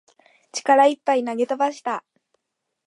力いっぱい投げ飛ばした